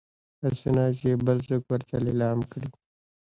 هسي نه چې يې بل څوک ورته ليلام کړي